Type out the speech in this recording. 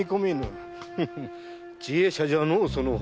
知恵者じゃのうその方。